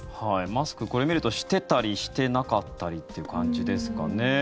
マスク、これ見るとしてたり、してなかったりって感じですかね。